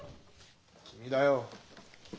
君だよ。